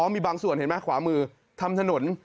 มีบางส่วนเห็นไหมขวามือทำถนน